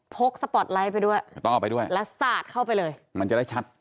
สปอร์ตไลท์ไปด้วยต้องเอาไปด้วยแล้วสาดเข้าไปเลยมันจะได้ชัด